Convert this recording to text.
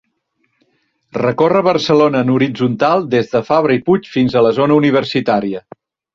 Recorre Barcelona en horitzontal des de Fabra i Puig fins a la zona universitària.